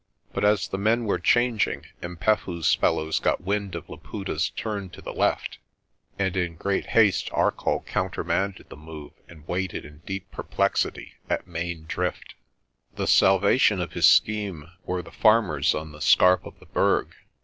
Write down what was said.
But as the men were changing, 'Mpefu's fellows got wind of Laputa's turn to the left, and in great haste Arcoll countermanded the move and waited in deep perplexity at Main Drift. The salvation of his scheme were the farmers on the scarp of the Berg.